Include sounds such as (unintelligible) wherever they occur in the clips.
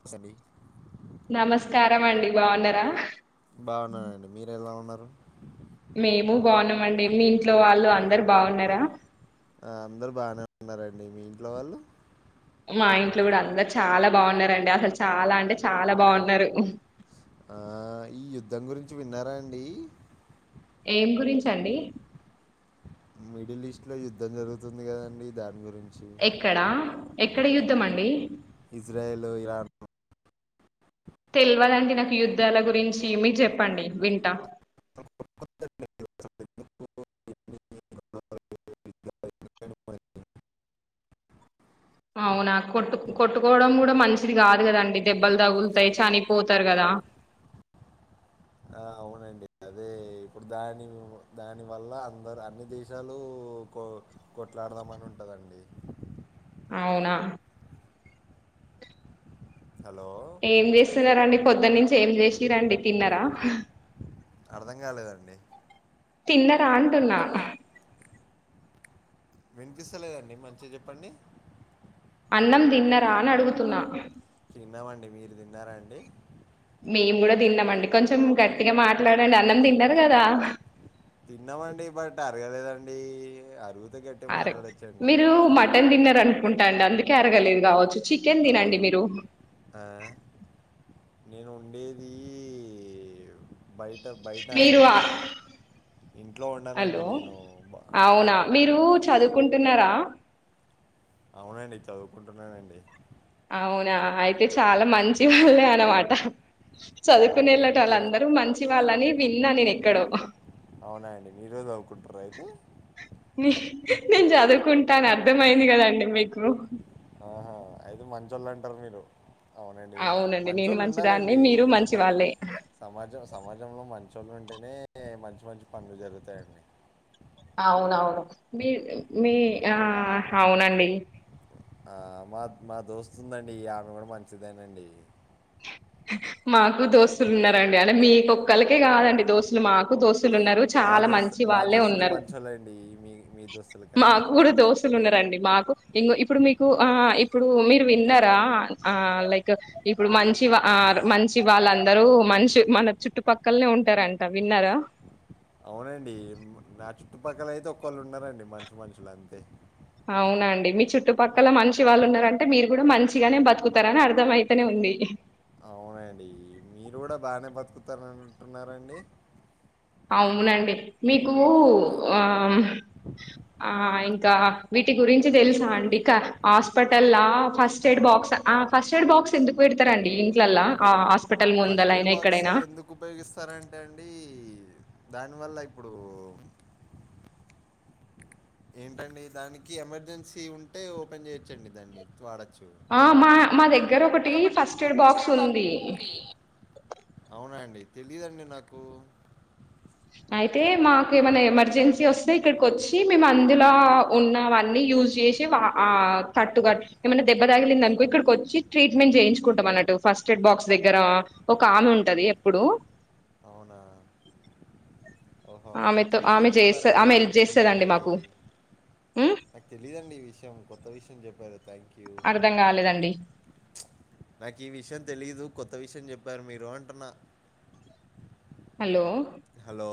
నమస్తే అండి నమస్కారాం అండి బాగున్నారా బాగున్నండి మీర ఎలా ఉ ఉన్నారు మేము బాగున్నము అండి మీ ఇంట్లో వాళ్ళు అందరు బాగున్నారా ఆ అందరు బాగానే ఉన్నారండి మీ ఇంట్లో వాళ్ళు మా ఇంట్లో కూడా అందరు చాలా బాగున్నండి అసలు చాలా అంటే చాలా బాగున్నారు ఆ ఈ యుద్ధం గురించి విన్నారా అండి ఏం గురించండి మిడిల్ ఈస్ట్ లో యుద్ధం జరుగుతుంది కదండి దాని గురించి ఎక్కడా ఎ ఎక్కడ యుద్ధం అండి ఇజ్రాయలు ఇరాన్ తెలవదండి నాకు యుద్ధాల గురించి మీర్ చెప్పండి వింటా అవునా కొట్టు కొట్టుకోవడం కూడా మంచిది కాదు కదాండి దెబ్బలు తగులుతాయి చనిపోతారు కదా అవునండి అదే ఇప్పుడు దాని దానివల్ల అందరు అన్ని దేశాలు కొ కొట్లాడదామ అని ఉంటుందండి అవునా హలో ఏం చేస్తున్నారండి పొద్దు నుంచి ఏం చేసిరండి తిన్నారా అర్ధం కాలేదండి తిన్న అంటంటన్నా వినిపిస్తలేదండి మంచిగా చెప్పండి అన్నం తిన్నరా అని అడుగుతున్నా తిన్నామండి మీరు తిన్నారా అండి మేము కూడా తిన్నామండి కొంచెం గట్టిగా మాట్లాడండి అన్నం తింటరు కదా తిన్నవడి బట (unintelligible) మీరు మటన్ డిన్నర్ అన్ ఉం (unintelligible) ఉటాండి అందుకే అరగలేదు కావచ్చు చికెన్ ఆ, తినండి మీరు ఆ, నేను ఉండేది బయ్ బయట మీరు అండి ఇంట్లో ఉండనండి హలో నేను అవునా హాస్టల్లో మీరు ఉంటానండి చదువుకుంటున్నారా అవునండి చదువుకుంటున్నానండి అవునా అయితే చాలా మంచి వాళ్ళే అనమాట చదువుకునే అవునండి వెళ్ళెట వాళ్ళు మీకేమై అందరూ మంచి వాళ్ళని విన్నా నేను ఎక్కడో అవునా అండి మీరు చదువుకుంటారా అయితే నేను చదువుకుంటాను అర్థమయింది కదండి మీకు ఓహ్ ఆహా అయితే మంచళ్ళు అంటారు మీరు అవునండి నేను మంచోళ్ళు మంచిదాన్ని ఉండాలండి మీరు మంచి సమా వాళ్ళే సమాజం సమాజంలో మంచోళ్ళు ఉం ఉంటేనే మంచి మంచి పనులు జరుగుతాయండి అవునవును మీ మీ ఆ అవునండి ఆ మా మా దోస్తు ఉందండి ఇక ఆమె కూడా మంచిదేనండి మాకు దోస్తులు ఉన్నారండి అంటే మీ కొక్కలకే కాదండి దోస్తులు మాకు దోస్తు లు ఉన్నారు మా చాలా దోస్తు మంచి మా వాళ్ళే దోస్తులే ఉన్నారు మంచోళ్ళండి మీ మీ దోస్తుల కన్నా మాకు కూడా దోస్తులు ఉన్నారండి మాకు ఇం ఇప్పుడు మీకు ఆ ఇప్పుడు మీరు విన్నారా ఆ లైక్ ఇప్పుడు మంచి మంచి వాళ్ళందరూ మంచి మన చుట్టుపక్కలనే ఉంటారంట విన్నారా అవునండి నా చుట్టుపక్కల అయితే ఒకళ్ళు ఉన్నారండి మంచి మనుషులు అంతే అవునండి మీ చుట్టుపక్కల మంచి వాళ్ళు ఉన్నారంటే మీరు కూడా మంచిగానే బతుకుతారని అర్థంమయితేనే ఉంది అవునండి మీరు కూడా బానే బతుకుతా అంటన్నాట్టు ఉన్నారండి అవునండి మీకు ఆ ఇంకా వీటి గురించి తెలుసా అండి ఇక హాస్పిటల్లొ ఫస్ట్ ఎయిడ్ బాక్స్ ఆ ఫస్ట్ ఎయిడ్ బాక్స్ ఎందుకు పెడతారండి ఇంట్లలా ఆ హాస్పి ఫస్ట్ ఎయిడ్ బాక్స్ ఎందుకు ఉపయోగిస్తారంటే అండి దానివల్ల ఇప్పుడు ఏంటండి దానికి ఎమర్జెన్సీ ఉంటే ఓపెన్ చేయొచ్చండి దాన్ని వాడ ఆ మా మా దగ్గర ఒకటి ఫస్ట్ ఎయిడ్ బాక్స్ ఉంది అవునా అండి తెలియదండి నాకు అయితే మాకు ఏమైనా ఎమర్జెన్సీ వస్తే ఇక్కడికి వచ్చి మేము అందులో ఉన్నవన్నీ యూజ్ చేసి ఆ తట్టుగా ఏమైనా దెబ్బ తాగిలిందనుకో ఇక్కడికి వచ్చి ట్రీట్మెంట్ చేయించుకుంటాం అన్నట్టు ఫస్ట్ ఎయిడ్ బాక్స్ దగ్గర ఒక ఆమె ఉంటుంది ఎప్పుడు అవునా ఓహో కొత్త ఆమెతో ఆమె విషయం చేస్త చెప్పారండి ఆమె హెల్ప్ థ్యాంక్ యూ చేస్తదండి అండి మాకు ఉమ్ నాకు తెలిదండి ఇవి విషయం కొత్త విషయం చెప్పారు థ్యాంక్ యు అర్ధం కాలేదండి నాకు ఈ విషయం తెలీదు కొత్త విషయం చెప్పారు మీరు అంటాన్న హలో హలో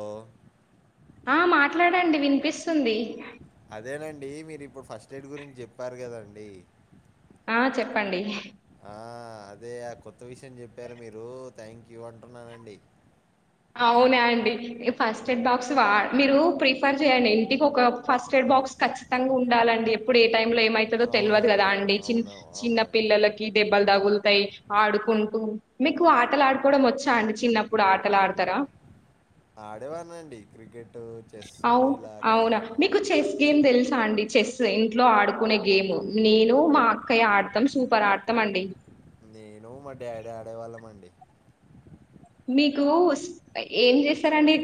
ఆ మాట్లాడండి వినిపిస్తు అదేనండి మీరు ఇప్పుడు ఫస్ట్ పస్ట్ఎయిడ్ గురించి చెప్పారు కదండి ఆ చెప్పండి ఆ అదే ఆ కొత్త విషయం చెప్పారు మీరు థ్యాంక్ యూ అంటున్నానండి అవునా అండి ఫస్ట్ ఎయిడ్ బాక్స్ వా మీరు ప్రిఫర్ చేయయండి ఇంటికి ఒక ఫస్ట్ ఎయిడ్ బాక్స్ కఖచ్చితంగా ఉండాలండి ఎప్పుడు ఏ టైం లో ఏమైతదో తెలియదు అవునండి. కదా అండి చి అవును. చిన్న అవునండి. పిల్లలకి దెబ్బలు తగులుతాయి ఆడుకుంటూ మీకు ఆటలు ఆడుకోవడం వచ్చా అండి చిన్నప్పుడు ఆటలాడు తరా ఆడేవాన్నండి క్రికెట్ అవ్ అవునా మీకు చెస్ గేమ్ తెలుసా అండి చెస్ ఇంటి లో ఆడుకునే గేమ్ నేను మా అక్కయి ఆడతాం సూపర్ ఆడతాం అండి నేను మా డాడ్ ఆడేవాళ్ళం అండి మీకు స్ ఏం చేస్తారన్డి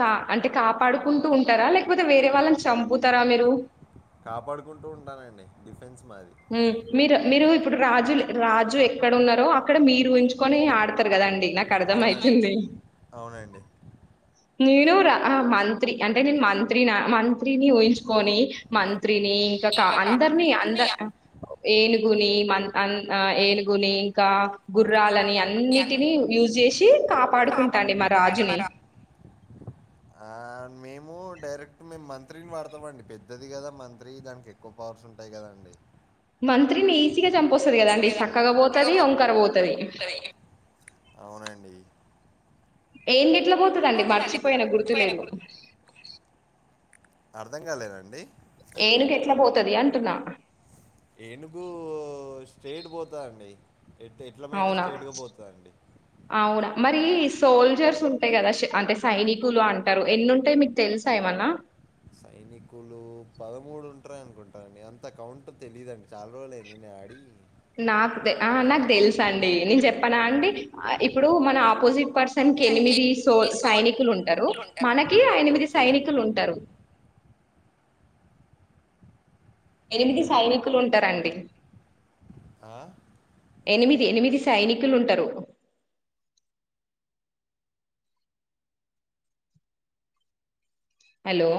కా అంటే కాపాడుకుంటూ ఉంటారా లేకపోతే వేరే వాళ్ళని చంపుతారా మీరు కాపాడుకుంటూ ఉంటానండి డిఫ్ మీ మీర్ మీరు ఇప్పుడు రాజు రాజు ఎక్కడ ఉన్నారో అక్కడ మీరు ఉంయిన్ చుకొని ఆడతారు కదాండి అవునన్ అవునండి నేను రా మంత్రి అంటే నేను మంత్రి నా మంత్ త్రినీ వుయించుకొని మం త్రిని ఇంక కా ఇక అందర్ని అంద కాపర్‌ని ఏనుగుని మన్ అన్ ఏనుగుని కా గుర్రాలని గుర్రాన్ని అన్నీ అన్నిటిని యూజ్ చేసి కాపాడుకుంటాండి మా కాపాడాలి రాజుని మరా. ఆ! మేము డైరెక్ట్ మేము మంత్రిని వాడతాం అండి పెద్దది కదా మంత్రి దానికి ఎక్కువ పవర్స్ ఉంటాయి కదా అండి మంత్రిని గా చంపొస్తది కదా అండి సక్కగా ఓతది వంకర ఓతది ఉంటది అవునండి ఏం డిప్ ఇట్ల పోతదండి మర్చిపోయిన పోయిన గుర్తులేదు గుర్తు అర్థం కాలేదండి ఏనుగెట్లా పోతది అంటున్నా ఏనుగు ఓ స్ట్రేట్ పోతా ద్ అండి ఎట్ ఎట్ల పోయినా అవునా? స్టేట్గా పోతదండి అవునా? మరి సోల్జర్స్ ఉంటాయి కదా అంటే సైనికులు అంటారు ఎన్ని ఉంటాయి మీకు తెల్సా ఏమన్నా సైనికులు పదమూడు ఉంట్ర అనుకుంటా అండి అంత కౌంట్ తెలీదన్డి చాలా రోజులయింది నేన్ ఆడి నాకు తే నాకు తెల్సు అండి నేను చెప్పనా అండి ఇప్పుడు మన ఆపోజిట్ పర్సన్ కి సంఖ్య ఎనిమిది సో ఈ సోల్ సైనికులు ఉంటారు మనకి అ నిమిది ఓకే సైనికులు ఉంటారు ఎనిమిది సైనికులు ఉంటారండి ఆ, ఎనిమిది ఎనిమిది సైని కులు ఉంటారు హలో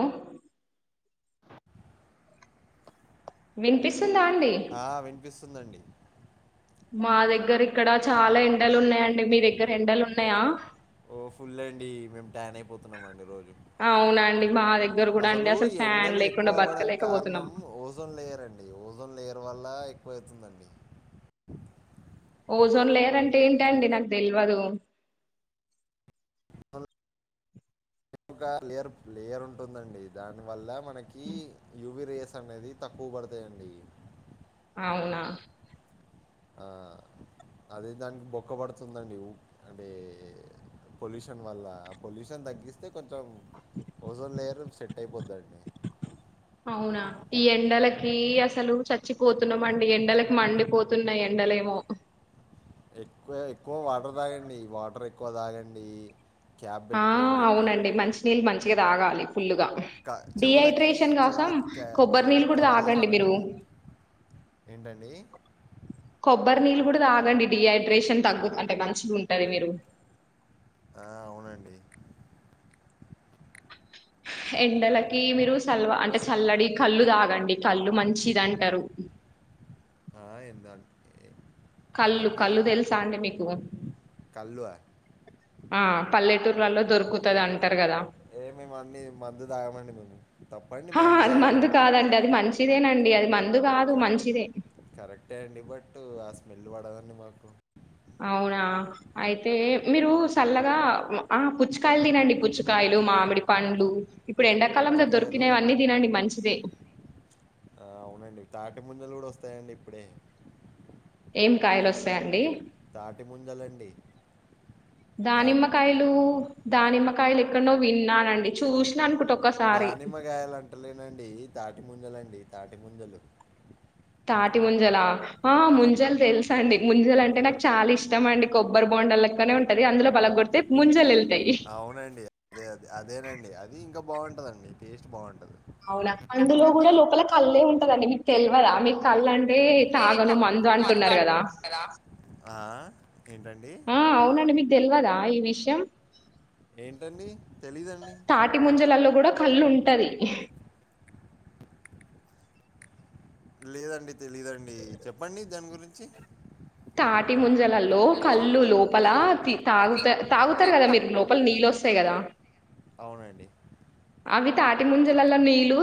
వినిపిస్ స్తుందా అండి స్తుందండి మా దగ్గర ఇక్కడ చాలా ఎండలు ఉన్నాయండి మీ దగ్గర ఎండలు ఉన్నాయా ఓ ఫుల్ అండి మేము ట్యాన్ అయిపోతున్నాం అండి రోజు అవునా అండి అసలు ఈ ఫ్యాన్ ఎండలు లేకుండా ఎక్కువ అవ్వడానికి బతకలేకపోతున్నం. కారణం ఓజోన్ లేయరండి ఓజోన్ లేయరు వల్ల ఎక్కువైతుందండి ఓజోన్ లేయర్ అంటే ఏంటండీ నాకు తెల్వదు అంటే ఒక లేయర్ లేయర్ ఉంటుందండి దాని వల్ల మన్ కి యువి రే స్ అనేది తక్కువ పడతాయండి అవునా ఆ అదే దానికి బొక్క పడుతుందండి అంటే పొల్యూషన్ వల్ల పొల్యూషన్ తగ్గిస్తే కొంచెం ఓజోన్ లేయర్ సెట్ అయిపోద్దండి అవునా ఈ ఎండలకి అసలు చచ్చిపోతున్నామండి ఎండలకి మండిపోతున్నాయి ఎండలేమో ఎక్కువ ఎక్కువ వాటర్ తాగండి వాటర్ ఎక్కువ తాగండి క్యాప్ ఆ పెట్టుకోండి అవునండి మంచ్ నీళ్ మంచిగా తాగాలి ఫుల్లుగా క- చెవులకి డిహైడ్రేషన్ కోసం చెవులకి క్యా- కొబ్బరి నీళ్ళు చెవులకి కూడా కవర్ తాగండి చేసుకోండి మీరు ఏంటండి కొబ్బరి నీళ్ళు కూడా తాగండి డిహైడ్రేషన్ తగ్గు అంటే మంచిగా ఉంటది మీరు ఆ అవునండి ఎండలకి మీరు సలువా అంటే చల్లడి కళ్ళు తాగం ఈ కళ్ళు మంచిది అంటరు ఆ ఎందా ఎ కళ్ళు కళ్ళు తెలుసా అండి మీకు కళ్ళు ఆ పల్లెటూర్లలో దొరుకుతది అ ఏ మేమన్నీ మందు తాగమండి మేము తప్పండి ఆ, మందు తాగడం ఇగ అది మ కరెక్ట్ కరెక్టే అండీ బట్ అ స్మెల్ పడదండీ మాకు అవునా అయితే మీరు చల్లగా ఆ పుచ్చకాయలు తినండి పుచ్చకాయలు మామిడి పండ్లు ఇప్పుడు త- ఎండాకాలంలో పుచ్చకాయలు దొరికినవి అన్నీ తినండి మంచిదే ఆ, అవునండి తాటి ముంజలు కూడా వస్తాయండి ఇప్పుడే ఏం కాయలు వస్తాయి అండీ తాటి ముంజలండి తా దానిమ్మకాయలు దానిమ్మకాయలు ఎక్కనో విన్నానండి చూసినా అనుకుంటా దానిమ్మకాయలు అంట లేనండి తాటి ముంజల అండీ తాటిముంజలు తాటిముంజలా ఆ ముంజల్ తెల్సు అండి ముంజల్ అంటే నాక్ చాల ఇష్టం అండి కొబ్బరి బోండం లేక్కనే ఉంటది అందులో పలగొట్టి ముంజలె అవునండి అదె అదే అదేనండి అ అది ఇంకా బాగుంటుదండి టేస్ట్ బాగుంట అవున అందులో కూడా లోపల కళ్ళే ఉంటదండి మీ తెల్ తెల్వదా మీక్ కళ్ళు అంటే తాగను మందు అంటున్నారు కదా ఆ ఏంటండి ఆ అవునండి మీకు తెల్వదా ఈ విషయం ఏంటండి తెలీదండీ తాటి ముంజలలో కూడా కళ్ళు ఉంటది లేదండి తెలీదండి చెప్పండి దాని గురించి తాటి ముంజ్ జలల్లో లో కళ్ళు లోపలా లో తి తి- తాగుతా తాగుతారు త- కదా త- మీరు లోపల నీళ్ళు వస్ వస్తాయి. కదా అవునండి అవి తాటి ముంజలల్లో నీళ్ళు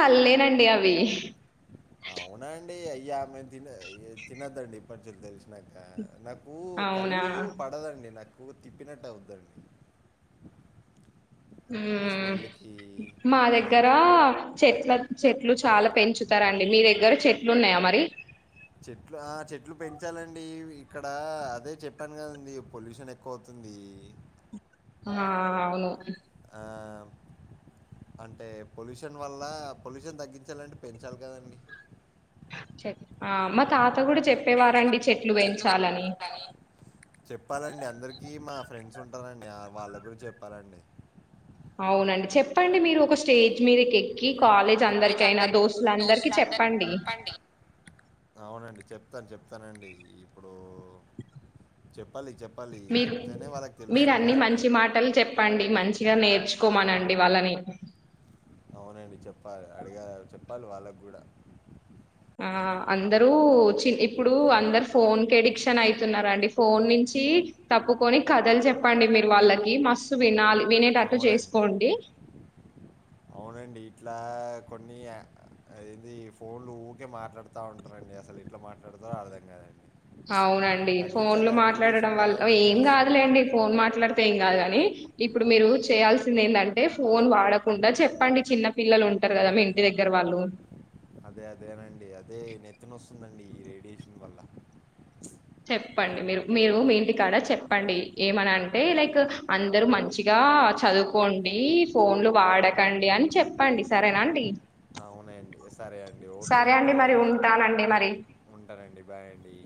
కల్లేనండి అవి అవున అండి అయ్యా మేము తిన తినద్దండి ఇప్పట్ నుంచి తెలిసిన నాక నాకూ అవునా కళ్ళు పడదండి నాకు ఊ తిప్పినట్టవు దండి హ్మ్ మా పడదండి దగ్గరా చెట్ల చెట్లు చాల పెంచుతారండి మీ దగ్గర చెట్లున్నాయా మరి చెట్లు ఆ చెట్లు పెంచాలండి ఇక్కడ అదే చెప్పాను కదండి పొల్యూషన్ ఎక్కువ అవుతుంది హా అవును అ అంటే పొల్యూషన్ వల్ల పొల్యూషన్ తగ్గించాలంటే పెంచాలి కదండి చె ఆ మతాత్ చెప్పాలండి అందర్కిీ మా ఫ్రెండ్స్ ఉంటారండి వాళ్ళ కూడ చెప్పాలండి అవునండి చెప్పండి మీరు ఒక స్టేజ్ మీద కెక్కి కీ కాలేజ్ కాలేజ్ అందరికయినా అందరికి దోస్తుల అందరికి దోస్తులందరికి చెప్పండి చెప్తా చెప్తా నండి ఇప్పుడూ (inaudible) చెప్పాలి చెప్ మీరు మీరు అన్ని మంచి మాటలు చెప్పండి మంచిగా నేర్చుకోమనండి మీ వాళ్ళని అవునండి చెప్పాలి అడిగ చెప్పాలి వాళ్ళకు కూడా ఆ అందరూ చి ఇప్పుడు అందరు ఫోన్ కి ఎడిక్షన్ అయితున్నండి ఫోన్ నుంచి తప్పుకొని కథలు చెప్పండి మీరు వాళ్ళకి మస్తు వినాలి వినేటట్టు అవునండి చేసుకోండి అవునండి ఇట్లా కొన్ని ఇది ఫోన్లు ఊరికే మాట్లాడుతా ఉంటారండి అసలు ఇట్లా మాట్లాడతారో అర్థం కదండి అవునండి ఫోన్ లో మాట్లాడడం రేడియేషన్ వల్ల ఏం నెత్తిన వస్తుంది కాదులేండి ఫోన్ మాట్లాడితే ఏం కాదు లెండి ఇప్పుడు మీరు చేయాల్సింది ఏంటంటే ఫోన్ వాడకుండా చెప్పండి చిన్న పిల్లలు ఉంటారు కదా మా ఇంటి దగ్గర వాళ్ళు అదే అదేనండి అదే నెత్తినస్తుందండి ఈ రేడియేషన్ వల్ల చెప్పండి మీరు మీరు మీ ఇంటి కడ చెప్పండి ఏమన అంటే లైక్ అందరు మంచిగా చదువుకోండి ఫోన్లు వాడకండి అని చెప్పండి సరేనా అండి అవునండి సరే అండి ఓకే సరే అండి మరి ఉంటానండి మరి ఉంటానండి బాయ్ అండి